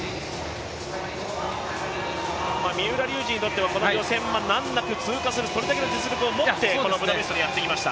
三浦龍司にとってはこの予選、難なく通過するそれだけの実力を持って、このブダペストにやってきました。